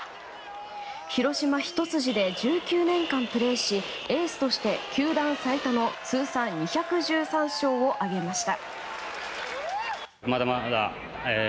広島ひと筋で１９年間プレーしエースとして、球団最多の通算２１３勝を挙げました。